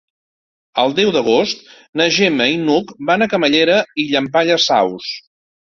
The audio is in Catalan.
El deu d'agost na Gemma i n'Hug van a Camallera i Llampaies Saus.